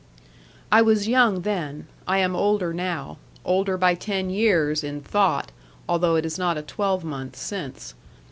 'I was young then. I am older now; older by ten years, in thought, although it is not a twelvemonth since.